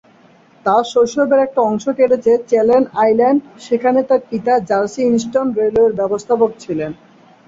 তার শৈশবের একটা অংশ কেটেছে চ্যানেল আইল্যান্ডে, সেখানে তার পিতা জার্সি ইস্টার্ন রেলওয়ের ব্যবস্থাপক ছিলেন।